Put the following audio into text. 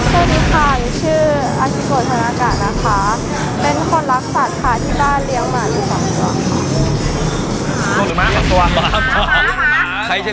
สวัสดีค่ะชื่ออากิโกธนากาศนะคะ